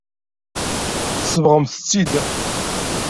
Tsebɣemt-t-id.